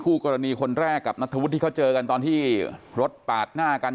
คู่กรณีคนแรกกับนัทธวุฒิที่เขาเจอกันตอนที่รถปาดหน้ากัน